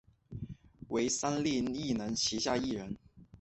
为三立艺能旗下艺人。